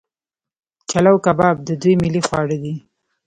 چلو کباب د دوی ملي خواړه دي.